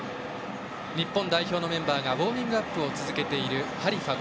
日本代表のメンバーがウォーミングアップを続けているハリファ